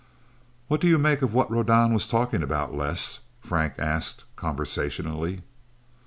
"What do you make of what Rodan was talking about, Les?" Frank asked conversationally.